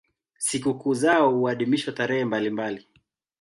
Sikukuu zao huadhimishwa tarehe mbalimbali.